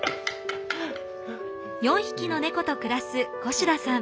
４匹の猫と暮らす越田さん。